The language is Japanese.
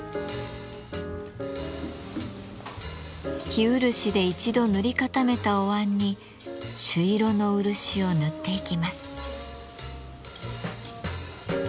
生漆で一度塗り固めたおわんに朱色の漆を塗っていきます。